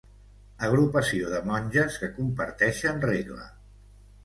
Agrupació de monges que comparteixen regla.